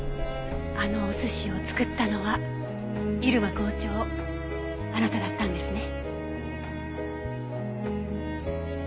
あのお寿司を作ったのは入間校長あなただったんですね。